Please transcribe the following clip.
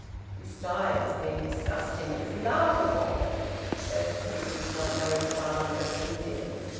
Besides being disgusting, it was laughable. Those people did not know his father as he did.